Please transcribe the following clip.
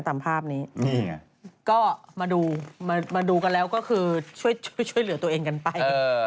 ตามภาพนี้ก็มาดูกันแล้วก็คือช่วยเหลือตัวเองกันไป